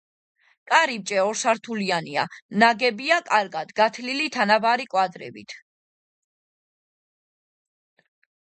კარიბჭე ორსართულიანია, ნაგებია კარგად გათლილი თანაბარი კვადრებით.